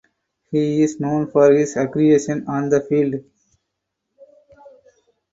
He is known for his aggression on the field.